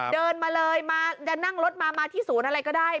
เดินมาเลยมาจะนั่งรถมามาที่ศูนย์อะไรก็ได้